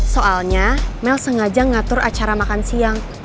soalnya mel sengaja ngatur acara makan siang